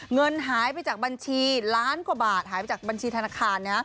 เงินหายไปจากบัญชีล้านกว่าบาทหายไปจากบัญชีธนาคาร